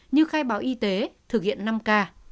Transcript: như khai báo y tế thực hiện năm k